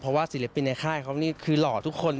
เพราะว่าสิริปเป็นในค่ายเค้าเนี่ยคือหล่อทุกคน